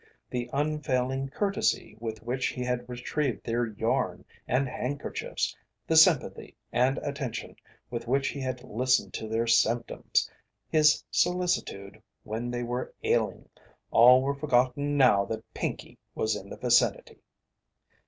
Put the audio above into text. The unfailing courtesy with which he had retrieved their yarn and handkerchiefs, the sympathy and attention with which he had listened to their symptoms, his solicitude when they were ailing all were forgotten now that Pinkey was in the vicinity.